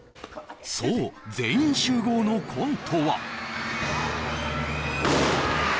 そう「全員集合」のコントはうわっ！